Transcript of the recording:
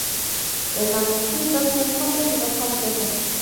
El manuscrito tiene contenidos complejos.